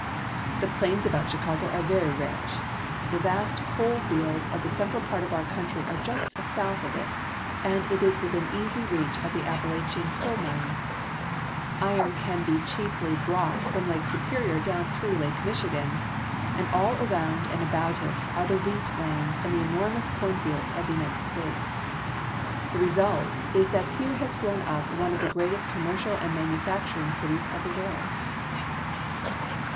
The plains about Chicago are very rich. The vast coal fields of the central part of our country are just south of it, and it is within easy reach of the Appalachian coal mines; iron can be cheaply brought from Lake Superior THE STOCK YARDS. 229 down through Lake Michigan ; and all around and about it are the wheat lands and the enormous cornfields of the United States. The result is that here has grown up one of the greatest commercial and manufacturing cities of the world.